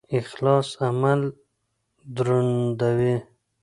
اخلاص عمل دروندوي